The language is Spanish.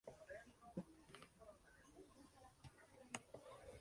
Fueron rechazadas las elecciones de Rock Hudson y Glenn Ford.